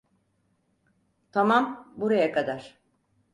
Tamam, buraya kadar.